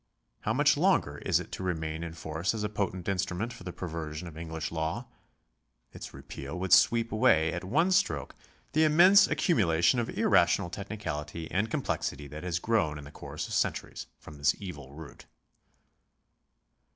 How much longer is it to remain in force as a potent instrument for the perversion of EngUsh law ? Its repeal would sweep away at one stroke the immense accumulation of irrational technicality and com plexity that has grown in the course of centuries from this evil root.